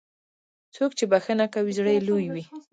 څوک چې بښنه کوي، زړه یې لوی وي.